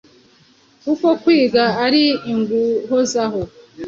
kuko kwiga ari uguhozaho.